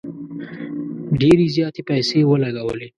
ډیري زیاتي پیسې ولګولې.